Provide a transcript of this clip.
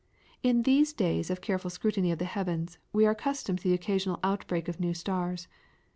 In these days of careful scrutiny of the heavens, we are accustomed to the occasional outbreak of new stars.